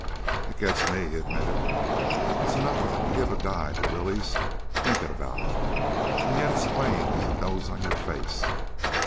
"It gets me," he admitted. "It's enough to give a guy the willies thinkin' about it. And yet it's plain as the nose on your face.